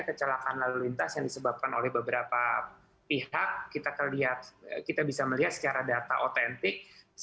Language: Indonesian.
kecelakaan lalu lintas yang disebabkan oleh beberapa pihak kita bisa melihat secara data otentik